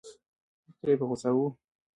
تره یې په غوسه و.